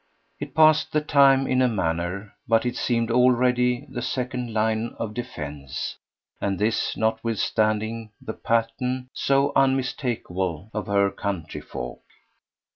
It passed the time in a manner; but it seemed already the second line of defence, and this notwithstanding the pattern, so unmistakeable, of her country folk.